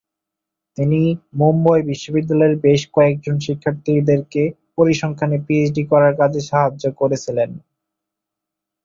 তিনি মুম্বই বিশ্ববিদ্যালয়ের বেশ কয়েকজন শিক্ষার্থীদেরকে পরিসংখ্যানে পিএইচডি করার কাজে সাহায্য করেছিলেন।